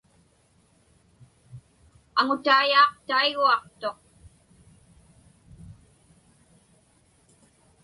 Aŋutaiyaaq taiguaqtuq.